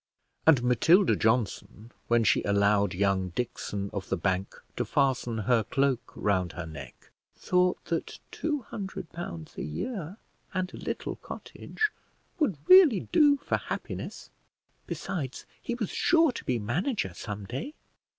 And Matilda Johnson, when she allowed young Dickson of the bank to fasten her cloak round her neck, thought that two hundred pounds a year and a little cottage would really do for happiness; besides, he was sure to be manager some day.